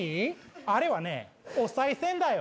あれはねおさい銭だよ。